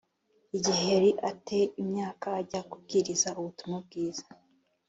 igihe yari a te imyaka ajya kubwiriza ubutumwa bwiza